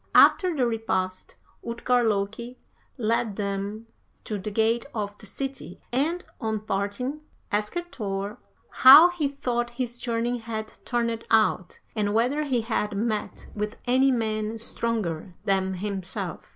After the repast Utgard Loki led them to the gate of the city, and, on parting, asked Thor how he thought his journey had turned out, and whether he had met with any men stronger than himself.